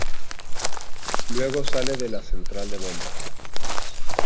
Luego sale de la central de bombas.